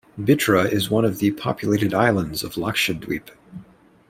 Bitra is one of the populated islands of Lakshadweep.